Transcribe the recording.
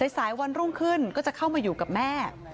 สายวันรุ่งขึ้นก็จะเข้ามาอยู่กับแม่